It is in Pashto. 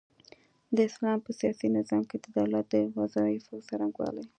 د اسلام په سياسي نظام کي د دولت د وظايفو څرنګوالۍ